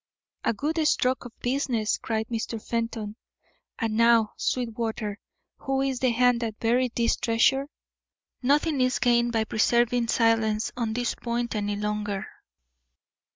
"A good stroke of business," cried Mr. Fenton. "And now, Sweetwater, whose is the hand that buried this treasure? Nothing is to be gained by preserving silence on this point any longer."